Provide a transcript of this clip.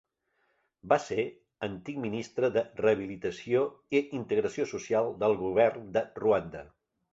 Va ser antic ministre de Rehabilitació i Integració Social del govern de Ruanda.